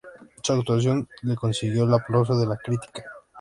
Su actuación le consiguió el aplauso de la crítica.